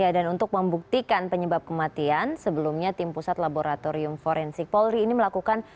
ya dan untuk membuktikan penyebab kematian sebelumnya tim pusat laboratorium forensik polri ini melakukan